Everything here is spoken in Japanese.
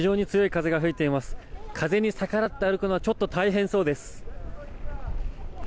風に逆らって歩くのはちょっと大変そうです。